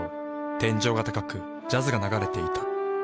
天井が高くジャズが流れていた。